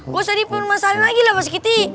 gw seri pun masalin lagi lah pak srikiti